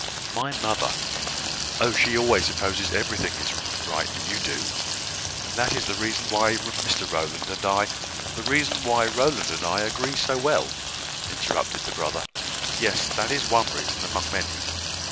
"My mother! Oh, she always supposes everything right that you do; and that is the reason why Mr Rowland and I " "The reason why Rowland and I agree so well," interrupted the brother. "Yes, that is one reason, among many.